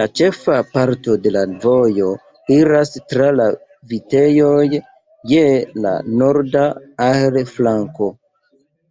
La ĉefa parto de la vojo iras tra la vitejoj je la norda Ahr-flanko.